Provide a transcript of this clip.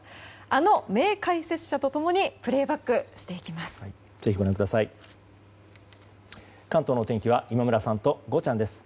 あの名解説者と共にプレーバックしていきます。